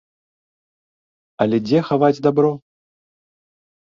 Але дзе хаваць дабро?